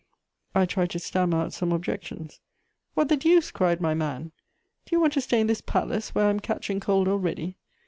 I tried to stammer out some objections: "What the deuce!" cried my man. "Do you want to stay in this palace, where I'm catching cold already?